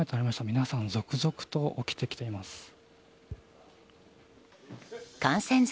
皆さん、続々と起きてきてます。